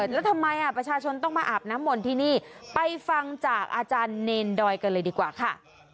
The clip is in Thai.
แล้วทำไมประชาชนต้องมาอาบน้ำมนต์ที่นี่ไปฟังจากอาจารย์เนรดอยกันเลยดีกว่าค่ะ